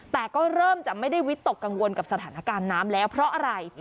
แต่ก็เริ่มจะไม่ได้วิตกกังวลกับสถานการณ์น้ำแล้วเพราะอะไร